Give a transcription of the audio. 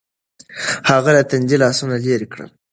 هغه له ټنډې لاسونه لرې کړل. .